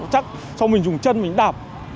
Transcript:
chắc xong mình dùng chân mình đạp